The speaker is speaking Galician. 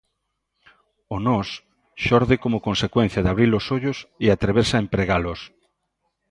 O nós xorde como consecuencia de abrir os ollos e atreverse a empregalos.